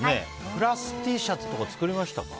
クラスＴシャツとか作りましたか。